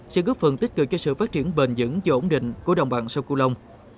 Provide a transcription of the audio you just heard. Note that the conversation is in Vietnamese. sẽ góp phần tích cực cho sự phát triển bền dững và ổn định của đồng bằng sâu cư lông